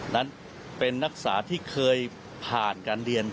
นั้นเป็นนักศึกษาที่เคยผ่านการเรียน